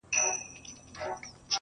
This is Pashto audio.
• دا ملنګ سړی چي نن خویونه د باچا کوي..